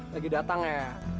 lagi datang ya